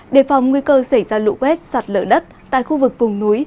đề phòng nguy cơ xảy ra lũ quét sạt lở đất tại khu vực vùng núi